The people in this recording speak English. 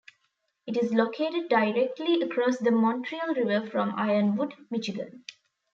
It is located directly across the Montreal River from Ironwood, Michigan.